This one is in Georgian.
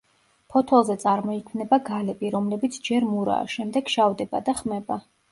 ფოთოლზე წარმოიქმნება გალები, რომლებიც ჯერ მურაა, შემდეგ შავდება და ხმება.